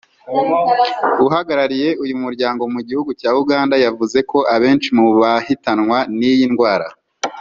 uhagarariye uyu muryango mu gihugu cya Uganda yavuze ko abenshi mu bahitanwa n’iyi ndwara